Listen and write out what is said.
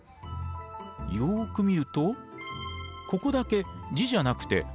よく見るとここだけ字じゃなくて花の絵が。